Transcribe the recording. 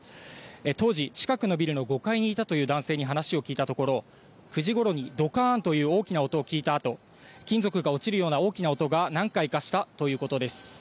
当時近くのビルの５階にいたという男性に話を聞いたところ９時ごろにドカーンという大きな音を聞いたあと金属が落ちるような大きな音が何回かしたということです。